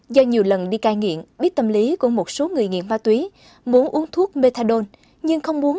do nhiều lần đi cai nghiện biết tâm lý của một số người nghiện ma túy muốn uống thuốc methadone nhưng không muốn